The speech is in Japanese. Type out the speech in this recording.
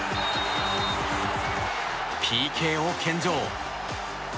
ＰＫを献上。